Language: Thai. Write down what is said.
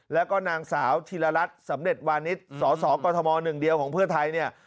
แล้วก็นางสาวธิรรณรัตน์สำเร็จวานิสสสกฎม๑ของเพื่อนไทย